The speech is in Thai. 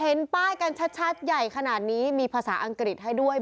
เห็นป้ายกันชัดใหญ่ขนาดนี้มีภาษาอังกฤษให้ด้วย